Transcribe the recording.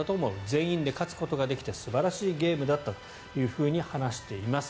全員で勝つことができて素晴らしいゲームだったと話しています。